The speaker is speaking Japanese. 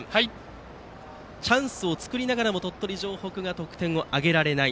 チャンスを作りながらも鳥取城北が得点できない。